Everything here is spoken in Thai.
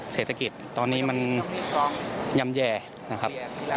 เศรษฐกิจตอนนี้มันย่ำแย่นะครับ